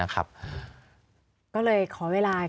ก็เลยขอเวลาแก้